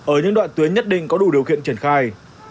ở những đoạn tuyến nhất định có đủ điều kiện triển khai